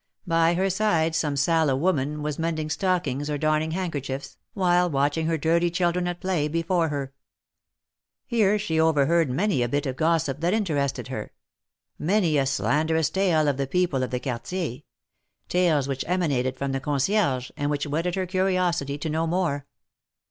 By her side some sallow woman was mending stockings or darning hand kerchiefs, while watching her dirty children at play before her. Here she overheard many a bit of gossip that interested her — many a slanderous tale of the people of the Quartier — tales which emanated from the Concierges, and which whetted her curiosity to know more.